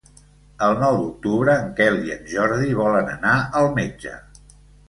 El nou d'octubre en Quel i en Jordi volen anar al metge.